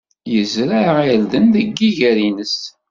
Yezreɛ irden deg yiger-nnes.